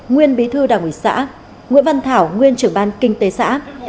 nguyên bí thư đảng ủy xã nguyễn văn thảo nguyên trưởng ban kinh tế xã